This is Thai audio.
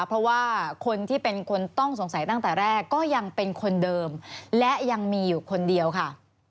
เพราะว่าคนที่เป็นคนต้องสงสัยตั้งแต่แรกก็ยังเป็นคนเดิมและยังมีอยู่คนเดียวค่ะ